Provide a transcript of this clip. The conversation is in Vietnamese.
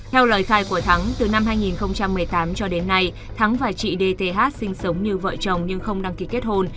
theo lời khai của thắng từ năm hai nghìn một mươi tám cho đến nay thắng và chị dth sinh sống như vợ chồng nhưng không đăng ký kết hôn